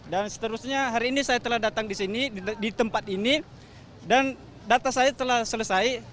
dan seterusnya hari ini saya telah datang di sini di tempat ini dan data saya telah selesai